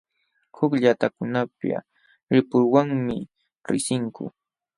Huk llaqtakunapiqa rirpuwanmi riqsinku.